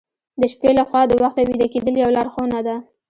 د شپې له خوا د وخته ویده کیدل یو لارښوونه ده.